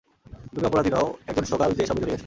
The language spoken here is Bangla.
তুমি অপরাধী নও, একজন শোগার্ল যে এসবে জড়িয়ে গেছে।